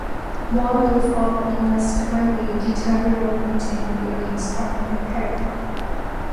More will follow unless currently deteriorating buildings are repaired.